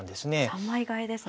三枚換えですね。